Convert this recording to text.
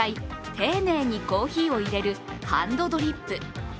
丁寧にコーヒーをいれるハンドドリップ。